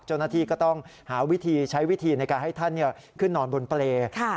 เจ้าหน้าที่ก็ต้องหาวิธีใช้วิธีในการให้ท่านขึ้นนอนบนเปรย์